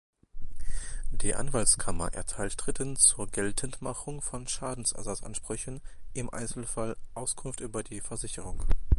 Die Anwaltskammer erteilt Dritten zur Geltendmachung von Schadensersatzansprüchen im Einzelfall Auskunft über die Versicherung.